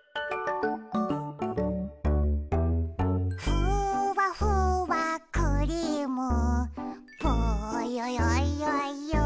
「ふわふわクリームぽよよよよん」